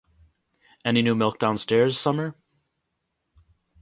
Any new milk downstairs, Summer?